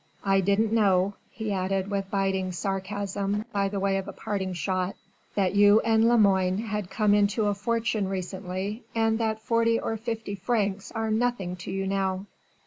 "I didn't know," he added with biting sarcasm by way of a parting shot, "that you and Lemoine had come into a fortune recently and that forty or fifty francs are nothing to you now."